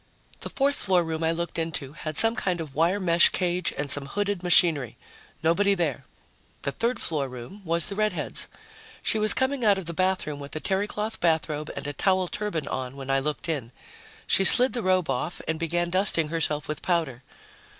The fourth floor room I looked into had some kind of wire mesh cage and some hooded machinery. Nobody there. The third floor room was the redhead's. She was coming out of the bathroom with a terrycloth bathrobe and a towel turban on when I looked in. She slid the robe off and began dusting herself with powder.